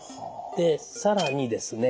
で更にですね